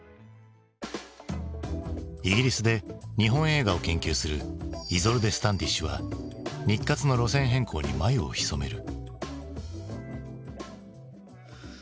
イギリスで日本映画を研究するイゾルデ・スタンディッシュは日活の路線変更に眉をひそめる。